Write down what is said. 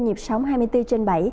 nhịp sóng hai mươi bốn trên bảy